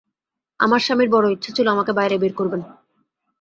আমার স্বামীর বড়ো ইচ্ছা ছিল আমাকে বাইরে বের করবেন।